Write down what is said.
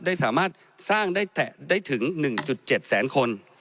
ได้สามารถสร้างได้ถึง๑๗แสนคน